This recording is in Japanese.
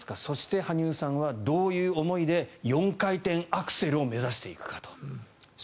そして、羽生さんはどういう思いで４回転アクセルを目指していくかと。